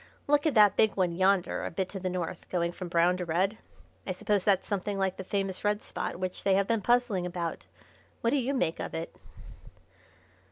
Look at that big one yonder a bit to the north, going from brown to red. I suppose that's something like the famous red spot which they have been puzzling about. What do you make of it?"